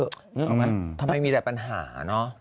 เอ้าทำไมมีแต่ปัญหานะ